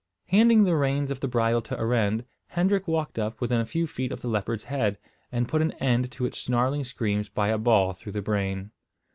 Handing the reins of the bridle to Arend, Hendrik walked up within a few feet of the leopard's head, and put an end to its snarling screams by a ball through the brain.